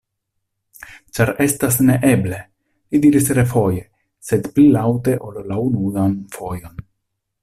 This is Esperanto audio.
Ĉar estas neeble! li diris refoje, sed pli laŭte ol la unuan fojon.